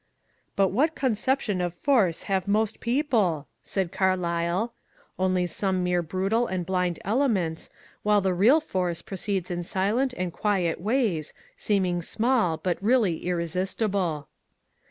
^* But what conception of Force have most people ?'' said Carlyle. ^^ Only some mere brutal and blind elements, while the real Force proceeds in silent and quiet ways, seeming small but really irresistible."